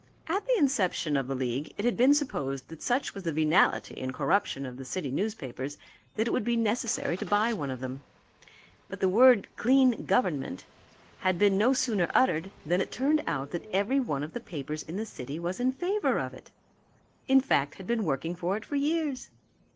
At the inception of the league it has been supposed that such was the venality and corruption of the city newspapers that it would be necessary to buy one of them. But the word "clean government" had been no sooner uttered than it turned out that every one of the papers in the city was in favour of it: in fact had been working for it for years.